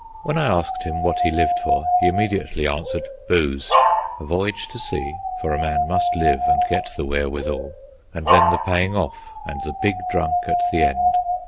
When I asked him what he lived for, he immediately answered, "Booze." A voyage to sea (for a man must live and get the wherewithal), and then the paying off and the big drunk at the end.